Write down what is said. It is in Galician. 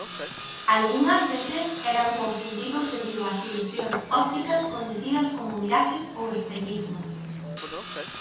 Algunhas veces eran confundidos debido ás ilusións ópticas coñecidas como miraxes ou espellismos.